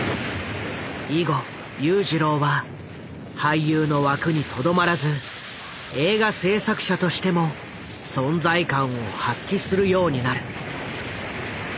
以後裕次郎は俳優の枠にとどまらず映画製作者としても存在感を発揮するようになる。